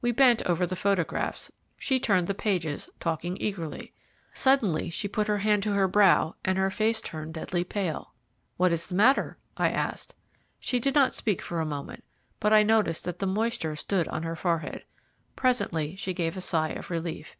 We bent over the photographs; she turned the pages, talking eagerly. Suddenly, she put her hand to her brow, and her face turned deadly pale. "What is the matter?" I asked. She did not speak for a moment, but I noticed that the moisture stood on her forehead. Presently she gave a sigh of relief.